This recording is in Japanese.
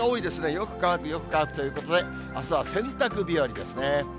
よく乾く、よく乾くということで、あすは洗濯日和ですね。